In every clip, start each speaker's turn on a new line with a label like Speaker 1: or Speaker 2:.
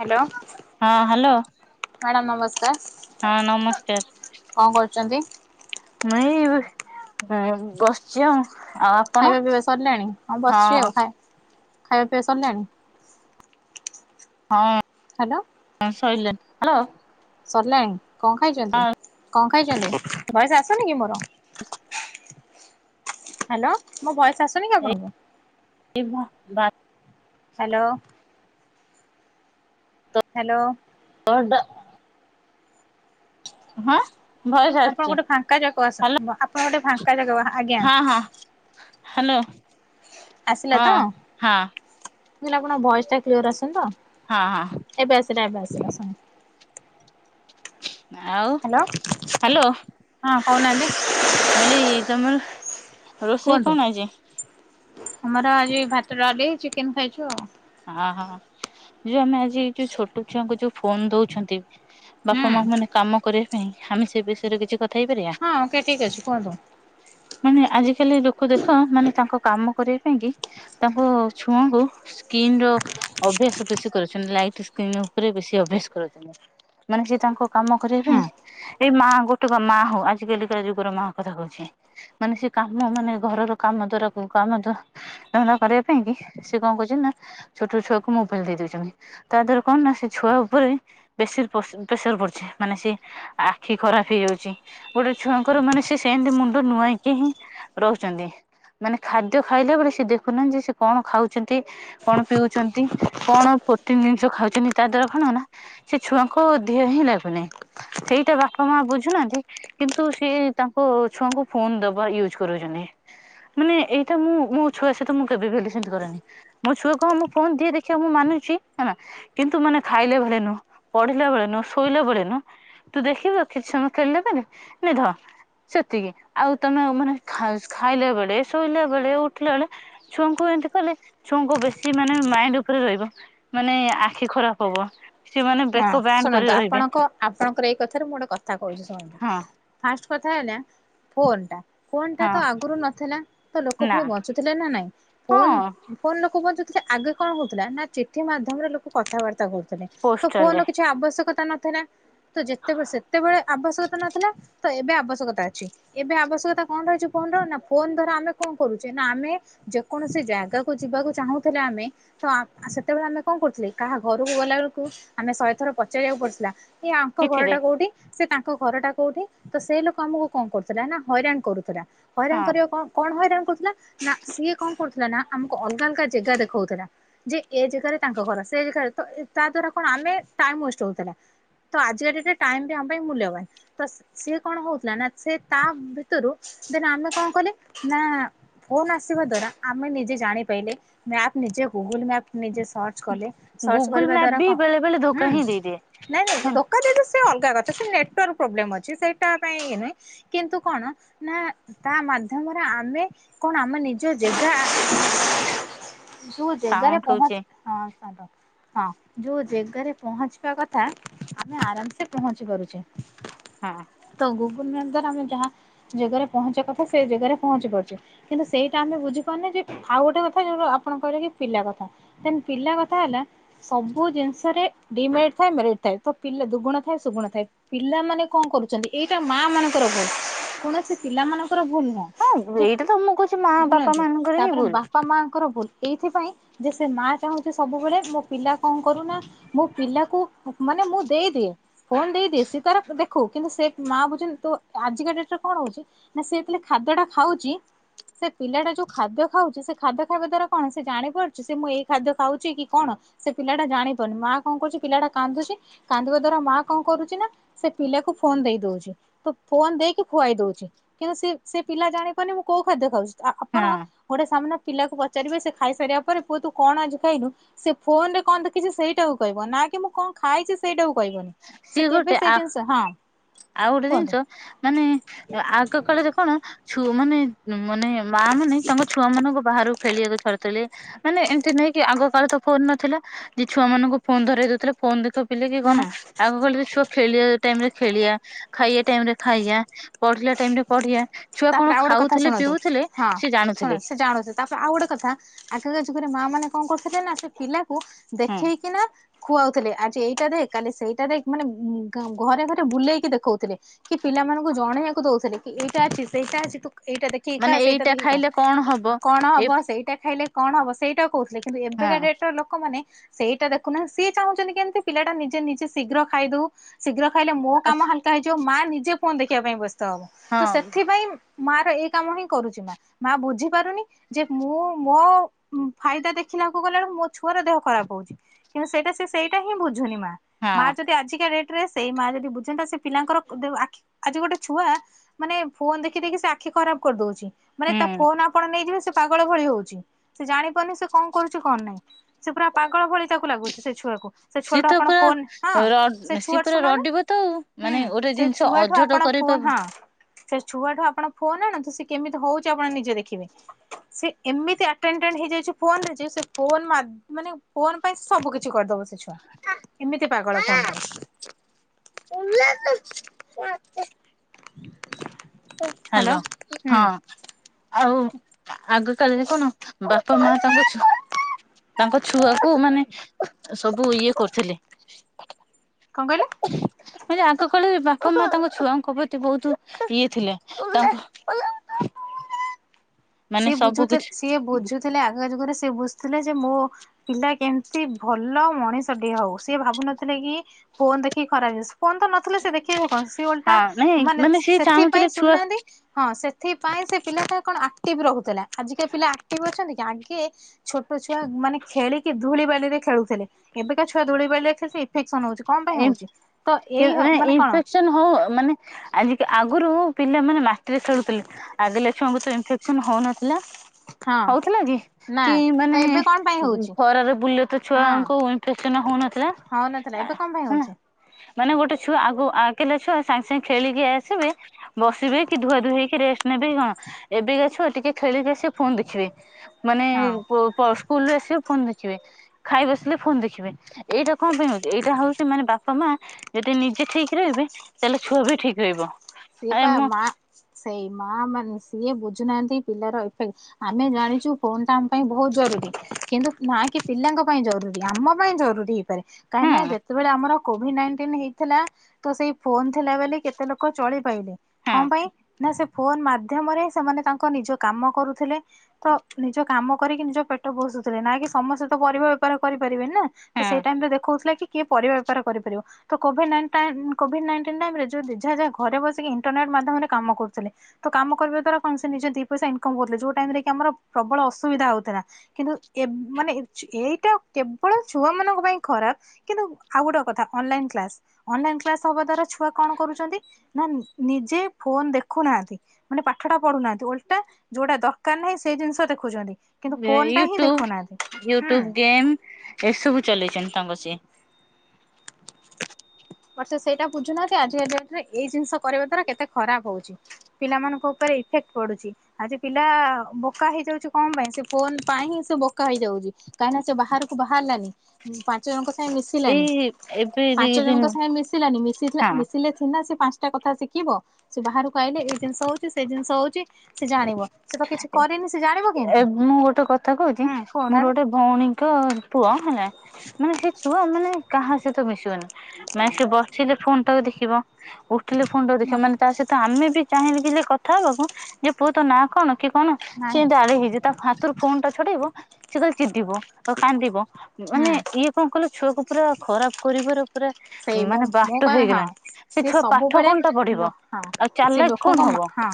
Speaker 1: Hello
Speaker 2: ହଁ hello
Speaker 1: madam ନମସ୍କାର
Speaker 2: ହଁ ନମସ୍କାର।
Speaker 1: କଣ କରୁଚନ୍ତି?
Speaker 2: ମୁଇ ବସିଛି ଆଉ ଆ
Speaker 1: ଖାଇବା ପିଇବା ସରିଲାଣି ହଁ ବସିଛି ଆଉ ଖାଇ ଖାଇବା ପିଇବା ସରିଲାଣି।
Speaker 2: ହଁ।
Speaker 1: ହ୍ୟାଲୋ।
Speaker 2: ହ ଶୋଇିଲ ହ୍ୟାଲୋ।
Speaker 1: ସରିଲାଣି କଣ
Speaker 2: ହଁ
Speaker 1: ଖାଇଛନ୍ତି କଣ ଖାଇଛନ୍ତି ବୟସ ଆସୁନି କି ମୋର।
Speaker 2: ହସ୍
Speaker 1: ହ୍ୟାଲୋ ମୋ ଭଏସ ଆସୁନି କି ଆପଣଙ୍କୁ।
Speaker 2: ଏ ବା ବା [unintelligible]
Speaker 1: ହ୍ୟାଲୋ। ହ୍ୟାଲୋ।
Speaker 2: ହଟା ହଁ। ଭଏସ
Speaker 1: ଆପଣ
Speaker 2: ଆସୁଛି
Speaker 1: ଗୋଟେ ଫାଙ୍କା ଯ ଆ
Speaker 2: ହ୍ୟାଲୋ
Speaker 1: ଆପଣ ଗୋଟେ ଫାଙ୍କା ଯୋଗ ଆଜ୍ଞା।
Speaker 2: ହଁ ହଁ ହ୍ୟାଲୋ।
Speaker 1: ଆସିଲା
Speaker 2: ହଁ
Speaker 1: ତ?
Speaker 2: ହଁ
Speaker 1: ବ ଆପଣଙ୍କ ଭଏସଟା କ୍ଲିଅର ଆସୁନି ତ।
Speaker 2: ହଁ ହଁ।
Speaker 1: ଏବେ ଆସିଲା ଏବେ ଆସିଲା ସାଙ୍ଗ।
Speaker 2: ଆଉ
Speaker 1: ହ୍ୟାଲୋ, ହଁ କହୁନାହାନ୍ତି।
Speaker 2: ବୋଇଲି ତମର ରୋଷେଇ
Speaker 1: କୁହନ୍ତୁ
Speaker 2: କଣ ଆଜି?
Speaker 1: ଆମର ଆଜି ଭାତଡାଲି ଚିକେନ ଖାଇଛୁ ଆଉ।
Speaker 2: ହଁ ହଁ ଯୋଉ ଆମେ ଆଜି ଯୋଉ ଛୋଟ ଛୁଆଙ୍କୁ ଯୋଉ ଫୋନ ଦଉଛନ୍ତି।
Speaker 1: ହୁଁ
Speaker 2: ବାପାମାମାନେ କାମ କରିବା ପାଇଁ ଆମେ ସେ ବିଷୟରେ କିଛି କଥା ହେଇ ପାରିବା?
Speaker 1: ହଁ ଓକେ, ଠିକ୍ ଅଛି କୁହନ୍ତୁ।
Speaker 2: ମାନେ ଆଜିକାଲି ଲୋକ ଦେଖ ମାନେ ତାଙ୍କ କାମ କରିବା ପାଇଁ କି ତାଙ୍କ ଛୁଆଙ୍କୁ ସ୍କିନର ଅଭ୍ୟାସ ବେଶୀ କରଉଛନ୍ତି ଲାଇଟ୍ ସ୍କନ୍ ଉପରେ ବେଶୀ ଅଭ୍ୟାସ କରଉଛନ୍ତି। ମାନେ ସିଏ ତାଙ୍କ କାମ କରିବା
Speaker 1: ହୁଁ
Speaker 2: ପାଇଁ ଏଇ ମା ଗୋଟେକ ମା ହଉ ଆଜିକାଲିକା ଯୁଗର ମା କଥା କହୁଛି। ମାନେ ସେ କାମ ମାନେ ଘରର କାମ ଦ୍ଵାରା କାମ ଦଵ କରିବା ପାଇଁ କି ସେ କଣ କହୁଛନ୍ତି ନା ଛୋଟ ଛୁଆକୁ ମୋବାଇଲ ଦେଇ ଦଉଛନ୍ତି। ତା ଦ୍ୱାରା କଣ ନା ସେ ଛୁଆ ଉପରେ ବେଶୀ ପ୍ରେସର ପଡୁଛି। ମାନେ ସେ ଆଖି ଖରାପ ହେଇଯାଉଛି ଗୋଟେ ଛୁଆଙ୍କର ମାନେ ସେ ସେମିତି ମୁଣ୍ଡ ନୁଆଇଁକି ହିଁ। ରହୁଛନ୍ତି ମାନେ ଖାଦ୍ୟ ଖାଇଲା ବେଳେ ସେ ଦେଖୁନାହାନ୍ତି ଯେ ସେ କଣ ଖାଉଛନ୍ତି। କଣ ପିଉଛନ୍ତି କଣ ପ୍ରୋଟିନ ଜିନିଷ ଖାଉଛନ୍ତି ତା ଦ୍ଵାରା କଣ ନା ସେ ଛୁଆଙ୍କ ଦେହ ହିଁ ଲାଗୁନାହିଁ ସେଇଟା ବାପା ମା ବୁଝୁନାହାନ୍ତି। କିନ୍ତୁ ସିଏ ତାଙ୍କ ଛୁଆଙ୍କୁ ଫୋନ ଦବା ୟୁଜ କରୁଛନ୍ତି। ମାନେ ଏଇଟା ମୁଁ ମୋ ଛୁଆ ସହିତ ମୁଁ କେବେବ ହେଲେ ସେମିତି କରେନି। ମୋ ଛୁଅକୁ ମୁଁ ଫୋନ ଦିଏ ଦେଖିବା ମୁଁ ମାନୁଛି ହେ କିନ୍ତୁ ମାନେ ଖାଇଲେ ବେଳେ ନୁହଁ ପଢିଲା ବେଳେ ନୁହଁ ଶୋଇଲା ବେଳେ ନୁହଁ। ତୁ ଦେଖିବୁ କିଛି ସମୟ ଖେଳିଲେ ପରେ ନେ ଧ। ସେତିକି, ଆଉ ତମେ ମାନେ ଖାଇଲା ବେଳେ ଶୋଇଲା ବେଳେ ଉଠିଲା ବେଳେ। ଛୁଆଙ୍କୁ ଏମିତି କଲେ ଛୁଆଙ୍କ ବେଶୀ ମାନେ ମାଇଣ୍ଡ ଉପରେ ରହିବ ମାନେ ଆଖି ଖରାପ ହବ। ସେମାନେ
Speaker 1: ହଁ
Speaker 2: ବେକ ବ୍ୟାଣ୍ଡ କରି
Speaker 1: ଶୁଣନ୍ତୁ
Speaker 2: ରହିବେ
Speaker 1: ଆପଣଙ୍କ ଆପଣଙ୍କର ଏଇ କଥାରେ ମୁଁ ଗୋଟେ କଥା କହୁଛି ଶୁଣନ୍ତୁ।
Speaker 2: ହଁ
Speaker 1: ଫାଷ୍ଟ କଥା ହେଲା ଫୋନ୍ ଟା। ଫୋନଟା
Speaker 2: ହଁ
Speaker 1: ତ ଆଗରୁ ନଥିଲା ତ ଲୋକ
Speaker 2: ନା
Speaker 1: ପୁଣି ବଞ୍ଚୁଥିଲେ ନା ନାଇଁ?
Speaker 2: ହଁ
Speaker 1: ଫୋନ ଫୋନ ଲୋକ ବଞ୍ଚୁଥିଲେ ଆଗେ କଣ ହଉଥିଲା ନା ଚିଠି ମାଧ୍ୟମରେ ଲୋକ କଥାବାର୍ତ୍ତା କରୁଥିଲେ। ତ
Speaker 2: ପୋଷ୍ଟାଲରେ
Speaker 1: ଫୋନ ସେ ଆବଶ୍ୟକତା ନଥିଲା। ତ ଯେତେ କ ସେତେବେଳେ ଆବଶ୍ୟକତା ନଥିଲା, ତ ଏବେ ଆବଶ୍ୟକତା ଅଛି, ଏବେ ଆବଶ୍ୟକତା। କଣ ରହିଛି ଫୋନର? ନା ଫୋନ୍ ଧର ଆମେ କଣ କରୁଛେ ନା ଆମେ ଯେକୌଣସି ଜାଗାକୁ ଯିବାକୁ ଚାହୁଁଥିଲେ ଆମେ ତ ସେତେବେଳେ ଆମେ କଣ କରୁଥିଲେ କାହା ଘରକୁ ଗଲା ବେଳକୁ ଆମେ ଶହେ ଥର ପଚାରିବାକୁ ପଡଥିଲାା ଏଇ ଆଙ୍କ ଘର
Speaker 2: ଚିଠିରେ
Speaker 1: ଟା କୋଉଠି? ସେ ତାଙ୍କ ଘରଟା କୋଉଠି ତ ସେଇ ଲୋକ ଆମକୁ କଣ କରୁଥିଲା ନା ହଇରାଣ କରୁଥିଲା ହଇରାଣ
Speaker 2: ହଁ।
Speaker 1: କରିବା କଣ? କଣ ହଇରାଣ କରୁଥିଲା ନା ସିଏ କଣ କରୁଥିଲା ନା ଆମକୁ ଅଲଗା ଅଲଗା ଜେଗା ଦେଖଉଥିଲା ଯେ ଏ ଜାଗାରେ ତାଙ୍କ ଘର ସେ ଜାଗାରେ ତ ତା ଦ୍ଵାରା କଣ ଆମେ ଟାଇମ୍ ୱେଷ୍ଟ ହଉଥିଲା। ତ ଆଜିକା ଡେଟ୍ ରେ ଟାଇମ ବି ଆମ ପାଇଁ ମୂଲ୍ୟବାନ। ତ ସିଏ କଣ ହଉଥିଲା ନା ସେ ତା ଭିତରୁ ଦେନ ଆମେ କଣ କଲେ ନା ଫୋନ ଆସିବା ଦ୍ଵାରା ଆମେ ନିଜେ ଜାଣି ପାଇଲେ ମ୍ୟାପ୍ ନିଜେ ଗୁଗୁଲ ମ୍ୟାପ୍ ନିଜେ ସର୍ଚ୍ଚ କଲେ, ସର୍ଚ୍ଚ
Speaker 2: ଗୁଗୁଲ
Speaker 1: କରିବା
Speaker 2: ମ୍ୟାପ
Speaker 1: ଦ୍ଵାରା
Speaker 2: ବି
Speaker 1: କଣ
Speaker 2: ବେଳେ ବେଳେ ଧୋକା
Speaker 1: ହୁଁ,
Speaker 2: ହିଁ ଦେଇଦିଏ
Speaker 1: ନାଇଁ, ନାଇଁ
Speaker 2: ହେଲା।
Speaker 1: ଦୋକ ରେ ସେ ଅଲଗା କଥା ସେ ନେଟୱାର୍କ ପ୍ରୋବ୍ଲେମ୍ ଅଛି, ସେଇଟା କାଇଁ ଇଏ ନାହିଁ। କିନ୍ତୁ କଣ ନା ତା ମାଧ୍ୟମରେ ଆମେ କଣ ଆମ ନିଜ ଜେ [inaudible] ଯୋଉ ଜାଗା ରେ
Speaker 2: ସାଉଣ୍ଡ
Speaker 1: ପହଞ୍ଚ
Speaker 2: ହଉଛି
Speaker 1: ହଁ, ହଁ ଯଉ ଜାଗାରେ ପହଞ୍ଚିବା କଥା ଆମେ ଆରାମସେ ପହଞ୍ଚି ପାରୁଛେ।
Speaker 2: ହଁ
Speaker 1: ତ ଗୁଗୁଲ ମ୍ୟାପ୍ ଦ୍ଵାରା ଆମେ ଯାହା ଜାଗାରେ ପହଞ୍ଚିବା କଥା ସେ ଜାଗାରେ ପହଞ୍ଚି ପାରୁଛେ। କିନ୍ତୁ ସେଇଟା ଆମେ ବୁଝିପାରୁନେ ଯେ ଆଉ ଗୋଟେ କଥା ଯୋଉଟ ଆପଣ କହିଲେ କି ପିଲା କଥା। ପିଲା କଥା ହେଲା ସବୁ ଜିନିଷ ରେ ଡିମେରିଟ୍ ଥାଏ, ମେରିଟ୍ ଥାଏ ତ ପିଲେ ଦୁଗୁଣ ଥାଏ ସୁଗୁଣ ଥାଏ ପିଲା ମାନେ କଣ କରୁଛନ୍ତି କି ଏଇଟା ମା ମାନଙ୍କର ଭୁଲ୍ କୌଣସି ପିଲା ମାନଙ୍କର ଭୁଲ୍ ନୁହଁ।
Speaker 2: ହଁ
Speaker 1: ଯୋଉ
Speaker 2: ଏଇଟା ତ ମୁଁ କହୁଛି ମା ବାପା
Speaker 1: ଶୁଣନ୍ତୁ
Speaker 2: ମାନଙ୍କର ହିଁ
Speaker 1: ତାପରେ
Speaker 2: ଭୁଲ୍।
Speaker 1: ବାପା ମାଙ୍କର ଭୁଲ, ଏଇଥି ପାଇଁ ଯେ ସେ ମା ଚାହୁଁଛି ସବୁବେଳେ ମୋ ପିଲା କଣ କରୁନା ମୁଁ ପିଲାକୁ ମାନେ ମୁଁ ଦେଇଦିଏ ଫୋନ ଦେଇଦିଏ ସିଏ ତାର ଦେଖେ ହଉ କିନ୍ତୁ ସେ ମା ବୁଝୁନି ତୁ ଆଜି କା ଡେଟ୍ ରେ କଣ ହଉଛି ନା ସେ ଯେତେବେଳେ ଖାଦ୍ୟ ଟା ଖାଉଛି ସେ ପିଲାଟା ଯୋଉ ଖାଦ୍ୟ ଖାଉଛି ସେ ଖାଦ୍ୟ ଖାଇବା ଦ୍ଵାରା କଣ ସେ ଜାଣି ପାରୁଛି ମୁଁ ଏଇ ଖାଦ୍ୟ ଖାଉଛି କି କଣ? ସେ ପିଲାଟା ଜାଣିପାରୁନି ମା କଣ କରୁଛି ପିଲାଟା କାନ୍ଦୁଛି କାନ୍ଦିବା ଦ୍ଵାରା ମା କଣ କରୁଛି ନା ସେ ପିଲାକୁ ଫୋନ ଦେଇ ଦଉଛି ତ ଫୋନ ଦେଇକି ଖୁଆଇ ଦଉଛି। କିନ୍ତୁ ସେ ସେ ପିଲା ଜାଣି ପାରୁନି ମୁଁ କୋଉ ଖାଦ୍ୟ ଖାଉଛି ଆପଣ
Speaker 2: ହଁ
Speaker 1: ଗୋଟେ ସାମ୍ନା ପିଲାକୁ ପଚାରିବେ ସେ ଖାଇସାରିବା ପରେ ପୁଅ ତୁ କଣ ଆଜି ଖାଇନୁ ସେ ଫୋନରେ କଅଣ କିଛି ସେଇଟାକୁ କହିବ ନା କି ମୁଁ କଣ ଖାଇଛି, ସେଇଟାକୁ କହିବନି,
Speaker 2: ସିଏ
Speaker 1: ସେ
Speaker 2: ଗୋଟେ
Speaker 1: କେବେ
Speaker 2: ଆ
Speaker 1: ସେଇ ଜିନିଷ ହଁ
Speaker 2: ଆଉ ଗୋଟେ
Speaker 1: କୁହନ୍ତୁ।
Speaker 2: ଜିନିଷ ମାନେ ଆଗ କାଳରେ କଣ ଛୁଆ ମାନେ ମାନେ ମା ମାନେ ତାଙ୍କ ଛୁଆ ମାନଙ୍କୁ ବାହାରକୁ ଖେଳିବାକୁ ଛାଡୁ ଥିଲେ। ମାନେ ଏମିତି ନାଇଁ କି ଆଗ କାଳ ତ ଫୋନ ନଥିଲା ଯେ ଛୁଆ ମାନଙ୍କୁ ଫୋନ ଧରେଇ ଦେଉଥିଲେ ଫୋନ ଦେଖ ଥିଲେ କିି
Speaker 1: ହଁ
Speaker 2: କଣ। ଆଗ କହିଲ ଛୁଆ ଖେଳ ଟାଇମ ରେ ଖେଳିଆ ଖାଇବା ଟାଇମ ରେ ଖାଇବା ପଢିଲା ଟାଇମରେ ପଢିବା ଛୁଆ
Speaker 1: ତାପରେ
Speaker 2: କଣ
Speaker 1: ଆଉ ଗୋଟେ କଥା
Speaker 2: ଖାଉଥିଲେ
Speaker 1: ଶୁଣନ୍ତୁ
Speaker 2: ପିଉଥିଲେ
Speaker 1: ହଁ
Speaker 2: ସେ
Speaker 1: ଶୁଣ
Speaker 2: ଜାଣୁଥିଲେ
Speaker 1: ସେ ଜାଣୁଛି ତାପରେ ଆଉ ଗୋଟେ କଥା ଆଗକା ଯୁଗରେ ମା ମାନେ କଣ କରୁଥିଲେ ନା ସେ ପିଲାକୁ
Speaker 2: ହୁଁ।
Speaker 1: ଦେଖେଇକି ନା ଖୁଆଉ ଥିଲେ ଆଜି ଏଇଟା ଦେଖ୍, କାଲି ସେଇଟା ଦେଖ୍, ମାନେ ଘରେ ଘରେ ବୁଲେଇକି ଦେଖଉଥିଲେ। କି ପିଲାମାନଙ୍କୁ ଜଣେଇବାକୁ ଦଉଥିଲେ କି ଏଇଟା ଅଛି, ସେଇଟା ଅଛି ତୁ ଏଇଟା ଦେଖି କି ଖା
Speaker 2: ମାନେ
Speaker 1: ସେଇଟା
Speaker 2: ଏଇଟା
Speaker 1: ଦେଖିକା
Speaker 2: ଖାଇଲେ କଣ ହବ
Speaker 1: କଣ
Speaker 2: ଏ
Speaker 1: ହବ ସେଇଟା ଖାଇଲେ କଣ ହବ ସେଇଟା କହୁଥିଲେ କିନ୍ତୁ ଏବେ
Speaker 2: ହଁ
Speaker 1: ଡେଟ୍ ର ଲୋକ ଲୋକ ମାନ ସେଇଟା ଦେଖୁ ନାହଁ, ସିଏ ଚାହୁଁଛନ୍ତି କେମତି ପିଲାଟା ନିଜେ ନିଜେ ଶୀଘ୍ର ଖାଇଦଉ। ଶୀଘ୍ର ଖାଇଲେ ମୋ କାମ ହାଲକା ହେଇଯିବ ମା ନିଜେ ଫୋନ୍ ଦେଖିବା ପାଇଁ ବ୍ୟସ୍ତ ହବ ତ ସେ ପାଇଁ ମା ର ଏଇ କାମ ହିଁ କରୁଛି, ମା ମା ବୁଝି ପାରୁନି ଯେ ମୁଁ ମୋ ଫାଇଦା ଦେଖିଲାକୁ ଗଲା ବେଳୁ କୁ ମୋ ଛୁଆର ଦେହ ଖରାପ ହଉଛି। କିନ୍ତୁ ସେଇଟା ସେ ସେଇଟା ହିଁ ବୁଝୁନି ମା, ମା
Speaker 2: ହଁ
Speaker 1: ଯଦି ଆଜିକା ଡେଟ ରେ ସେଇ ମା ଯଦି ବୁଝନ୍ତା ସେ ପିଲାଙ୍କର ଆଜି ଗୋଟେ ଛୁଆ ମାନେ ଫୋନ ଦେଖି ଦେଖି ସେ ଆଖି ଖରାପ କରିଦଉଛି ମାନେ ତା
Speaker 2: ହୁଁ
Speaker 1: ଫୋନ ଆପଣ ନେଇଯିବେ ସେ ପାଗଳ ଭଳି ହଉଛି। ସେ ଜାଣି ପାରୁନି ସେ କଣ କରୁଛି କଣ ନାହିଁ ସେ ପୁରା ପାଗଳ ଭଳି ତାକୁ ଲାଗୁଛି ସେ ଛୁଆକୁ। ସେ
Speaker 2: ସିଏ
Speaker 1: ଛୁଆଟୁ
Speaker 2: ତ
Speaker 1: ଆପଣ
Speaker 2: ପୁରା
Speaker 1: ଫୋନ ହଁ ସେ
Speaker 2: ର ସିଏ
Speaker 1: ଛୁଆଟ
Speaker 2: ପୁରା
Speaker 1: ଶୁଣନ
Speaker 2: ରଡିବ ତ ଆଉ ମାନେ
Speaker 1: ହୁଁ
Speaker 2: ଗୋଟେ
Speaker 1: ସେ
Speaker 2: ଜିନିଷ
Speaker 1: ଛୁଆଠୁ
Speaker 2: ଅଝଟ
Speaker 1: ଆପଣ
Speaker 2: କରିବା
Speaker 1: ଫୋନ୍ ହଁ ସେ ଛୁଆଠୁ ଆପଣ ଫୋନ ଆଣ ତ ସ ସେ କେମିତି ହଉଛି ଆପଣ ନିଜେ ଦେଖିବେ। ସେ ଏମିତି ଆଟେନଟେନ୍ ହେଇଯାଇଛି ଫୋନରେ ଜେ ଫୋନ ମା ମାନେ ଫୋନ ପାଇଁ ସବୁ କିଛି କରିଦବ ସେ ଛୁଆ ଏମିତି ପାଗଳ ଫୋନ ପାଇଁ।
Speaker 2: ହ୍ୟାଲୋ ହଁ। ଆଉ ଆଗ କାଲିରେ କଣ ବାପା ମା ତାକୁ ତାଙ୍କ ଛୁଆକୁ ମାନେ ସବୁ ଇଏ କରୁଥିଲେ।
Speaker 1: କଣ କହିଲ?
Speaker 2: ମାନେ ଆଗ କାଳେ ବାପା ମା ତାଙ୍କ ଛୁଆଙ୍କ ପ୍ରତି ବହୁତ ଇଏ ଥିଲେ ତା [unintelligible]
Speaker 1: ସିଏ ବୁଝୁ
Speaker 2: ସବୁ କିଛି
Speaker 1: ସିଏ ବୁଝୁଥିଲେ ଆଗ ଯୁଗରେ ସିଏ ବୁଝୁଥିଲେ ଯେ ମୋ ପିଲା କେମିତି ଭଲ ମଣିଷଟି ହଉ, ସିଏ ଭାବୁନଥିଲେ କି ଫୋନ ଦେଖି ଖରା ଜ ଫୋନ୍ ତ ନଥିଲା ସେ ଦେଖେଇବେ କଣ ଓଲଟା
Speaker 2: ହଁ ନାଇଁ
Speaker 1: ମାନେ
Speaker 2: ସିଏ
Speaker 1: ସେଥିପାଇଁ
Speaker 2: ଚାହୁଁଥିଲେ ଛୁଆ
Speaker 1: ଶୁଣୁନାହାନ୍ତି? ହଁ ସେଥିପାଇଁ ସେ ପିଲାଟା କଣ ଆକ୍ଟିଭ ରହୁଥିଲା ଆଜିକା ପିଲା ଆକ୍ଟିଭ ଅଛନ୍ତି କି ଆଗେ? ଛୋଟ ଛୁଆ ମାନେ ଖେଳିକି ଧୂଳି ବାଲିରେ ଖେଳୁଥିଲେ ଏବେକା ଛୁଆ ଧୂଳି ବାଲି ରେ ଖେଳ ଇଜଙ୍କସନ ହଉଛି କଣ ପାଇଁ ହଉଛି ତ ଏଇ ମାନେ କଣ
Speaker 2: ଇନଫେକ୍ସନ ହଉ ମାନେ ଆଜି ଆଗରୁ ହଉ ପିଲାମାନେ ମାଟିରେ ଖେଳୁଥିଲେ। ଆଗଲେ ଛୁଆଙ୍କୁ ତ ଇନଫେକ୍ସନ ହଉନଥିଲା
Speaker 1: ହଁ
Speaker 2: ହଉଥିଲା କି?
Speaker 1: ନା
Speaker 2: କି ମାନେ
Speaker 1: ତ ଏବେ କଣ ପାଇଁ ହଉଛି
Speaker 2: ଖରାରେ ବୁଲିଲେ ତ
Speaker 1: ହଁ
Speaker 2: ଛୁଆଙ୍କୁ ଇନଫେକ୍ସନ ହଉନଥିଲା।
Speaker 1: ହଉନଥିଲା ଏବେ କଣ? ପାଇଁ
Speaker 2: ହେଲା
Speaker 1: ହଉଛି
Speaker 2: ମାନେ ଗୋଟେ ଛୁଆ ଆଗୁ ଆଗେଲେ ଛୁଆ ସାଙ୍ଗେ ସାଙ୍ଗେ ଖେଳିକି ଆସିବେ। ବସିବେ କି ଧୁଆ ଧୁଇ ହେଇକି ରେଷ୍ଟ ନେବେ କି କଣ? ଏବେ ଆଛିବ ଟିକେ ଖେଳିକି ଆସ ଫୁନ୍ ଦେଖିବି ମାନେ
Speaker 1: ହଁ।
Speaker 2: ସ୍କୁଲୁ ଆସିବେ ଫୋନ ଦେଖିବେ ଖାଇ ବସିଲେ ଫୋନ ଦେଖିବେ ଏଇଟା କଣ ପାଇଁ ହଉଛି ଏଇଟା ହଉ ବାପା ମା ଯଦି ନିଜେ ଠିକ୍ ରହିବେ ତାହେଲେ ଛୁଆ ବି ଠିକ ରହିବ।
Speaker 1: ସିଏ
Speaker 2: ଆ
Speaker 1: ପା
Speaker 2: ମୁଁ
Speaker 1: ମା ସେଇ ମା ମାନେ ସିଏ ବୁଝୁନାହାନ୍ତି ପିଲାର ଆମେ ଜାଣିଛୁ ଫୋନ ଟା ଆମ ପାଇଁ ବହୁତ ଜରୁରୀ କିନ୍ତୁ ନା କି ପିଲାଙ୍କ ପାଇଁ ଜରୁରୀ ଆମ ପାଇଁ ଜରୁରୀ। ହେଇପାରେ। କାହିଁ
Speaker 2: ହଁ
Speaker 1: ନା ଯେତେବେଳେ ଆମର କୋଭିଡ ନାଇଟିନ ହେଇଥିଲା ତ ସେଇ ଫୋନ ଥିଲାବେଲି କେତେ ଲୋକ ଚଳି ପାଇଲେ
Speaker 2: ହଁ
Speaker 1: କଣ ପାଇଁ ନା ସେ ଫୋନ ମାଧ୍ୟମରେ ସେମାନେ ତାଙ୍କ ନିଜ କାମ କରୁଥିଲେ। ତ ନିଜ କାମ କରିକି ନିଜ ପେଟ ବୋଷୁଥିଲେ ନାଇ କି ସମସ୍ତେ ତ ପରିବା ବେପାର କରିପାରିବେନି ନା ତ ସେଇ
Speaker 2: ହଁ
Speaker 1: ଟାଇମ ରେ ଦେଖାଉଉଥିଲା କି? କିଏ ପରିବା ବେପାର କରିପାରିବ ତ କୋଭିଡ କୋଭିଡ ନାଇଣ୍ଟିନ୍ ଟାଇମ ରେ ଯଉ ଦିଝାଯ ଯା ଘରେ ବସିକି ଇଣ୍ଟରନେଟ୍ ମାଧ୍ୟମରେ କାମ କରୁଥିଲେ। ତ କାମ କରିବା ଦ୍ଵାରା କଣ ସେ ନିଜେ ଦି ପଇସା ଇନକମ୍ କରୁଥିଲେ ଯୋଉ ଟାଇମ ରେ କି ଆମର ପ୍ରବଳ ଅସୁବିଧା ହଉଥିଲା। କିନ୍ତୁ ଏ ମାନେ ଏଇଟା କେବଳ ଛୁଆ ମାନଙ୍କ ପାଇଁ ଖରାପ। କିନ୍ତୁ ଆଉ ଗୋଟେ କଥା ଅନଲାଇ କ୍ଲାସ ଅନ କ୍ଲାସ୍ ହବା ଦ୍ଵାରା ଛୁଆ କଣ କରୁଛନ୍ତି ନା ନିଜେ ଫୋନ ଦେଖୁନାହାନ୍ତି। ମାନେ ପାଠଟା ପଢୁନାହାନ୍ତି ଓଲଟା ଯୋଉଟା ଦରକାର ନାହିଁ ସେଇ ଜିନିଷ ଦେଖୁଛନ୍ତି। କିନ୍ତୁ ଫୋନ ଟା ହିଁ ଦେଖୁନାହାନ୍ତି
Speaker 2: ୟୁଟ୍ୟୁବ
Speaker 1: ହୁଁ।
Speaker 2: ୟୁଟ୍ୟୁବ ଗେମ୍ ଏସବୁ ଚଲେଇଛନ୍ତି ତାଙ୍କ ସିଏ।
Speaker 1: ବ ସେ ସେଇଟା ବୁଝୁନାହାନ୍ତି ଆଜିକା ଡେଟରେ ଏଇ ଜିନିଷ କରିବା ଦ୍ଵାରା କେତେ ଖରାପ ହଉଛି। ପିଲାମାନଙ୍କ ଉପରେ ଇଫେକ୍ଟ ପଡୁଛି। ଆଜି ପିଲା ବୋକା ହେଇଯାଉଛି କଣ ପାଇଁ ସେ ଫୋନ ପାଇଁ ହିଁ ସେ ବୋକା ହେଇଯାଉଛି। କାହିଁକିନା ସେ ବାହାରକୁ ବାହାରିଲାନି ପାଞ୍ଚ ଜଣଙ୍କ ସାଙ୍ଗ ମିଶିଲାନି।
Speaker 2: ଏଇ ଏବେ। ଦି
Speaker 1: ପାଞ୍ଚ
Speaker 2: ଦିନ
Speaker 1: ଜଣଙ୍କ ସାଙ୍ଗ ମିଶିଲାନିଶ
Speaker 2: ହଁ
Speaker 1: ମିଶିଲେ ନା ସେ ପାଞ୍ଚ ଟା କଥା ଶିଖିବ ସେ ବାହାରକୁ ଆଇଲେ ଏଇ ଜିନିଷ ହଉଛି ସେ ଜିନିଷ ହଉଛି ସେ ଜାଣିବ। ସେ ତ କିଛି କରିନି ସେ ଜାଣିବ କେମିତି?
Speaker 2: ମୁଁ ଗୋଟେ କଥା କହୁଛି
Speaker 1: ହୁଁ
Speaker 2: ମୋର
Speaker 1: କହୁନାହାନ୍ତି
Speaker 2: ଗୋଟେ। ଭଉଣୀଙ୍କ ପୁଅ ହେଲା ମାନେ ସେ ଛୁଆ ମାନେ କାହା ସହିତ ମିଶିବନି। ମାନେ ସେ ବସିଲେ ଫୋନ୍ ଟାକୁ ଦେଖିବ ଉଠିଲେ ଫୋନ୍ ଟାକୁ ଦେଖିବ ମାନେ ତା ସହିତ ତ ଆମେ ବି ଚାହିଁ କଥା ହବାକୁ ଯେ ପୁଅ ତ ନାଁ କଣ କି କଣ?
Speaker 1: ନାହିଁ
Speaker 2: ସେତି ଆଡେ ହେଇଯ ତା ହାତରୁ ଫୋନ୍ ଟା ଛଡେଇବ ସେଏ କହିଲ ଚିଧିବ ଆଉ କାନ୍ଦିବ। ମାନେ
Speaker 1: ହୁଁ।
Speaker 2: ଇଏ କଣ କଲେ ଛୁଆକୁ ପୁରା ଖରାପ କରିବାର ଉପରେ
Speaker 1: ସେଇ ମୋ
Speaker 2: ମାନେ
Speaker 1: ମୋ
Speaker 2: ବାଟ
Speaker 1: କହିବା ହଁ
Speaker 2: ହେଇଗଲାଣି ସେ ଛୁଆ ପାଠ
Speaker 1: ସବୁବେଳେ
Speaker 2: କଣ ଟା
Speaker 1: ଲୋ
Speaker 2: ପଢିବ
Speaker 1: ହଁ
Speaker 2: ଆଉ
Speaker 1: ସେ
Speaker 2: ଚାରଲ
Speaker 1: ଲୋକଙ୍କ
Speaker 2: କଣ ହବ।
Speaker 1: ହଁ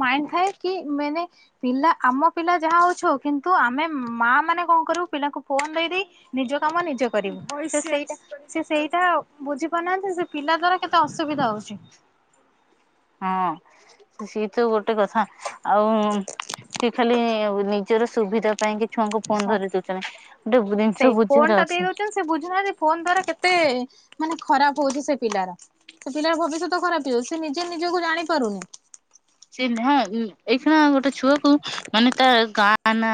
Speaker 1: ମାଇଣ୍ଡ ଥାଏ କି ମାନେ। ପିଲା ଆମ ପିଲା ଯାହା ହଉଛ କିନ୍ତୁ ଆମେ ମା ମାନେ କଣ କରୁ ପିଲାଙ୍କୁ ଫୋନ ଦେଇ ଦେଇେଦେଇ ନିଜ କାମ ନିଜେ କରିବୁ ଭ ସେ ସେଇଟା ସେ ସେଇଟା ବୁଝିପାରୁନାହାନ୍ତି ସେ ପିଲା ଦ୍ଵାରା କେତେ ଅସୁବିଧା ହଉଛି।
Speaker 2: ହଁ ସେଇ ତ ଗୋଟେ କଥା ଆଉ କି ଖାଲି ନିଜର ସୁବିଧା ପାଇଁ କି ଛୁଆଙ୍କୁ ଫୋନ ଧରେଇ ଦଉଚନ୍ତି ଗୋଟେ ଜିନିଷ
Speaker 1: ସେଇ ଫୋନ
Speaker 2: ବୁଝିବାରେ
Speaker 1: ଟା ଦେଇ
Speaker 2: ଅଛି।
Speaker 1: ଦଉଛନ୍ତି ସେ ବୁଝୁନାହାନ୍ତି ଫୋନ ଦ୍ଵାରା କେତେ ମାନେ ଖରାପ ହଉଛି ସେ ପିଲାର। ସେ ପିଲାର ଭବିଷ୍ୟତ ଖରାପ ହେଇଯାଉଚି ସେ ନିଜେ ନିଜକୁ ଜାଣି ପାରୁନି।
Speaker 2: ଚିହ୍ନା ଏଇ ଖେଣା ଗୋଟେ ଛୁଆକୁ ମାନେ ତା ଗାଁ ତା ନାଁ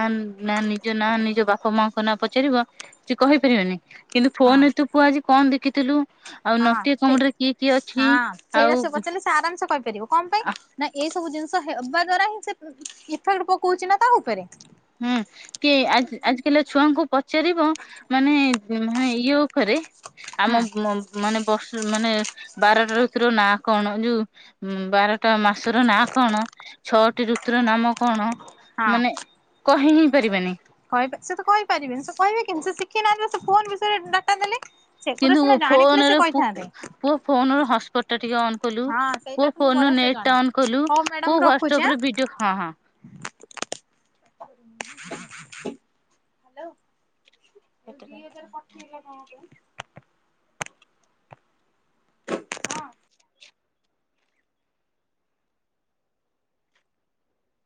Speaker 2: ନାଁ ନିଜ ନାଁ ନିଜ ବାପ ମାଙ୍କ ନାଁ ପଚାରିବ ସେ କହିପାରିବେନି। କିନ୍ତୁ
Speaker 1: ହଁ
Speaker 2: ଫୋନରେ ତୁ ପୁଅ ଆଜି କଣ ଦେଖିଥିଲୁ? ଆଉ
Speaker 1: ହଁ
Speaker 2: ନଟିଆ କମେଡିରେ କିଏ କିଏ
Speaker 1: ଠିକ
Speaker 2: ଅଛି?
Speaker 1: ହଁ ସେଇଟା ସେ
Speaker 2: ଆଉ
Speaker 1: ପଚାରିଲେ ସେ ଆରାମ ସେେ କହିପାରିବ କଣ ପାଇଁ? ନା ଏଇସବୁ ଜିନିଷ ହେବା ଦ୍ଵାରା ହିଁ ସେ ଇଫେକ୍ଟ ପକଉଚି ନା ତା ଉପରେ।
Speaker 2: ହୁଁ କି ଆଜି ଆଜିକାଲିଆ ଛୁଆଙ୍କୁ ପଚାରିବ ମାନେ ହଁ ଇଏ ଉପରେ
Speaker 1: ହୁଁ
Speaker 2: ଆମ-ମ ମାନେ ବର୍ଷ ମାନେ ବାରଟା ଋତୁର ନା କଣ ଯୋଉ ଉଁ ବାରଟା ମାସର ନାଁ କଣ ଛଅଟି ଋତୁର ନାମ କଣ
Speaker 1: ହଁ
Speaker 2: ମାନେ କହି ହିଁ ପାରିବେନି।
Speaker 1: ସେ ତ କହିପାରିବେନି ସେ କହିବେ କେମିତି ସେ ଶିଖି ନାହାନ୍ତି ସେ ଫୋନ ବିଷୟରେ ଡାଟା ଦେଲେ। ସେଗୁରା
Speaker 2: କିନ୍ତୁ
Speaker 1: ଶସିନା ଜାଣିଥିଲେ ସେ
Speaker 2: ଫୋନରେ
Speaker 1: କହିଥାନ୍ତେ।
Speaker 2: ପୁଅ ଫୋନ ରୁ ହସ୍‌ପଟ ଟା ଟିକେ ଅନ କଲୁ
Speaker 1: ହଁ
Speaker 2: ପୁଅ
Speaker 1: ସେଇଟାକୁ ମୁଁ
Speaker 2: ଫୋନରୁ
Speaker 1: ବଢିଆ ସେ
Speaker 2: ନେଟ
Speaker 1: ଜଣା
Speaker 2: ଟା ଅନ କଲୁ ପୁଅ ହ୍ୱାଟସପ ରେ ଭିଡିଓ
Speaker 1: ହ୍ୟାଲୋ। ଯୋଉ ଦି ହଜାର ପଠେଇଲ କଣ ପାଇଁ?